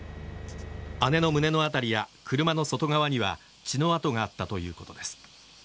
姉の胸の辺りや車の外側には血の痕があったということです。